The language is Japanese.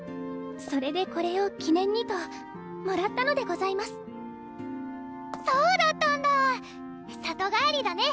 それでこれを記念にともらったのでございますそうだったんだ里帰りだね